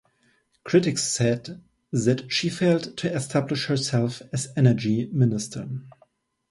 Critics said that she failed to establish herself as energy minister.